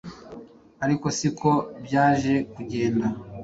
ariko siko byaje kugenda